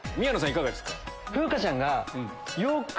いかがですか？